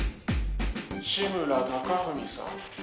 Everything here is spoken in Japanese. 志村貴文さん